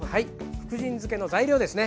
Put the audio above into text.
福神漬けの材料ですね